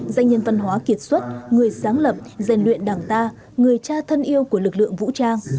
danh nhân văn hóa kiệt xuất người sáng lập rèn luyện đảng ta người cha thân yêu của lực lượng vũ trang